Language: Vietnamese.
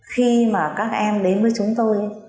khi mà các em đến với chúng tôi